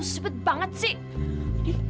cepet banget sih